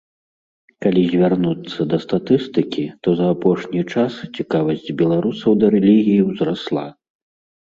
Калі звярнуцца да статыстыкі, то за апошні час цікавасць беларусаў да рэлігіі ўзрасла.